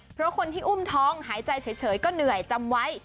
เพราะคนที่อุ้มท้องหายใจเฉยก็เหนื่อยจำไว้